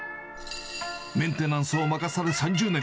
メンテナンスを任され３０年。